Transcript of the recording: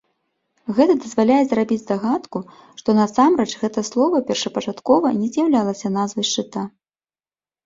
Гэта дазваляе зрабіць здагадку, што насамрэч гэта слова першапачаткова не з'яўлялася назвай шчыта.